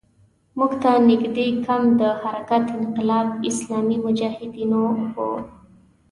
موږ ته نږدې کمپ د حرکت انقلاب اسلامي مجاهدینو وو.